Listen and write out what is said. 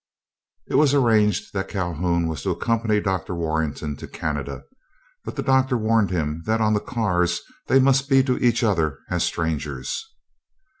It was arranged that Calhoun was to accompany Dr. Warrenton to Canada; but the Doctor warned him that on the cars they must be to each other as strangers.